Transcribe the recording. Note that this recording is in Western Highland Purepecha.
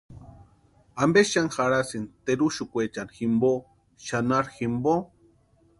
¿Ampe xani jarhasïni teruxukwechani jimpo, xanharu jumpo?